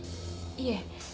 いえ。